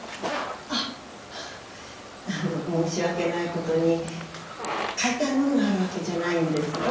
あっあの申し訳ないことに買いたい物があるわけじゃないんですよ。